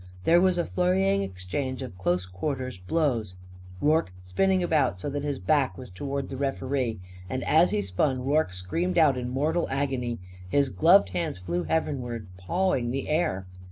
There was a flurrying exchange of close quarters blows, Rorke spinning about so that his back was towards the referee. And, as he spun, Rorke screamed out in mortal agony. His gloved hands flew heavenward, pawing the air.